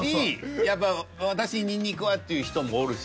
やっぱ「私ニンニクは」っていう人もおるし。